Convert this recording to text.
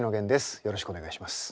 よろしくお願いします。